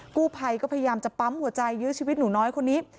กู้ภัยก็พยายามจะปั๊มหัวใจยื้อชีวิตหนูน้อยคนนี้